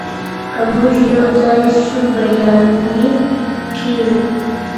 که موږ يو ځای سو بريالي کيږو.